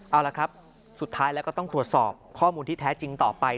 เอาละครับสุดท้ายแล้วก็ต้องตรวจสอบข้อมูลที่แท้จริงต่อไป